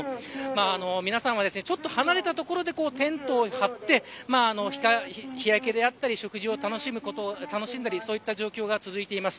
皆さんは離れた所でテントを張って日焼けだったり食事を楽しんだりそういった状況が続いています。